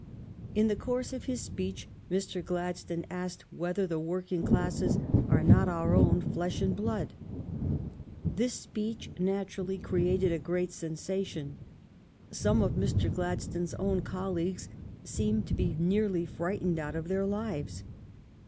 In the course of his speech Mr. Gladstone asked whether the working classes "are not our own flesh and blood ?" This speech naturally created a great sensation. Some of Mr. Gladstones own colleagues seemed to be nearly frightened out of their lives.